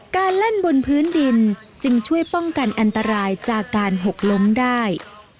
การเล่นบนพื้นดินจึงช่วยป้องกันอันตรายจากการหกล้มได้